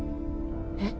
えっ？